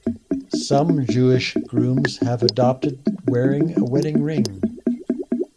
Some Jewish grooms have adopted wearing a wedding ring.